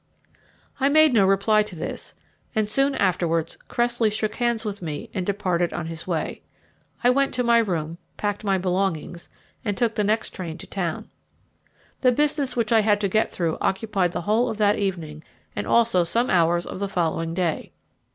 I made no reply to this, and soon afterwards Cressley shook hands with me and departed on his way. I went to my room, packed my belongings, and took the next train to town. The business which I had to get through occupied the whole of that evening and also some hours of the following day.